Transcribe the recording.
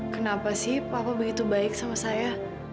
kenapa sih papa begitu baik sama saya